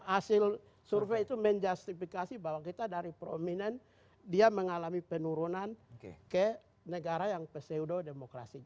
hasil survei itu menjustifikasi bahwa kita dari prominent dia mengalami penurunan ke negara yang peseudo demokrasi